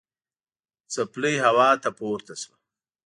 څپلۍ هوا ته پورته شوه.